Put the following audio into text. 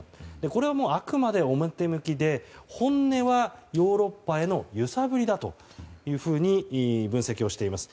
これはもう、あくまで表向きで本音はヨーロッパへの揺さぶりと分析をしています。